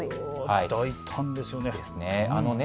大胆ですよね。